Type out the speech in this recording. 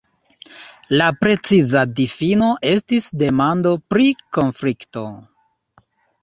La preciza difino estis demando pri konflikto.